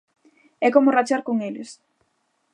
E como rachar con eles.